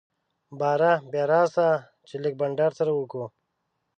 باره بيا راسه چي لږ بانډار سره وکو.